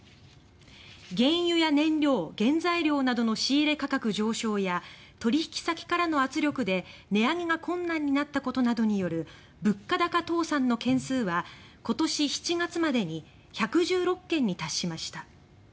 原油や燃料、原材料などの仕入れ価格上昇や取引先からの圧力で値上げが困難になったことなどによる「物価高倒産」の件数は今年７月までに１１６件に達しました。